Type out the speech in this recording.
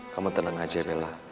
kamu tenang aja bella